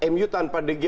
mu tanpa dg